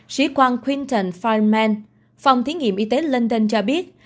sĩ quan quinton feynman phòng thí nghiệm y tế london cho biết